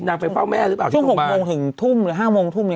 นางไปเฝ้าแม่หรือเปล่าช่วงหกโมงถึงทุ่มหรือห้าโมงทุ่มนี้